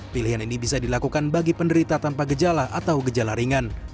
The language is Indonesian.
pilihan ini bisa dilakukan bagi penderita tanpa gejala atau gejala ringan